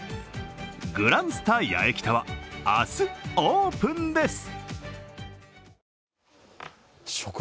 グランスタ八重北は明日オープンです。